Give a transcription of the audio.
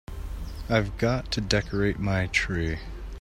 I've got to decorate my tree.